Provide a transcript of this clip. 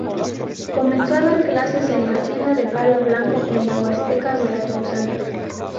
Comenzó a dar clases en la hacienda de Palo Blanco en la Huasteca veracruzana.